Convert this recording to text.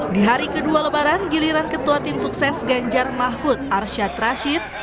di hari kedua lebaran giliran ketua tim sukses ganjar mahfud arsyad rashid